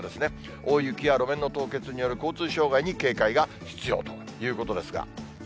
大雪や路面の凍結による交通障害に警戒が必要ということですが。